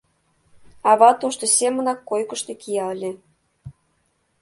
Ава тошто семынак койкышто кия ыле.